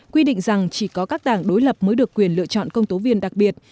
quy định rằng chỉ có các đảng đối lập mới được quyền lựa chọn công tố viên đặc biệt